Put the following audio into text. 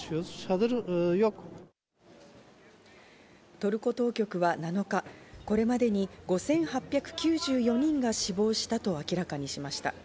トルコ当局は７日、これまでに５８９４人が死亡したと明らかにしました。